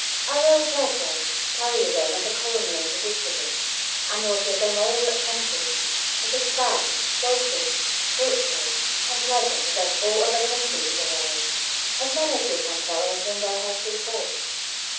I will, therefore, carry them as a colony into Dipsody, and will give them all that country, which is fair, wealthy, fruitful, and pleasant, above all other countries in the world, as many of you can tell who have been there heretofore.